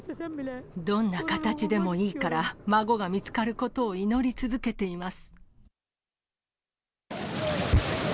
どんな形でもいいから、孫が見つかることを祈り続けています。